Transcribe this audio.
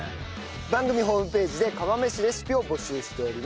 番組ホームページで釜飯レシピを募集しております。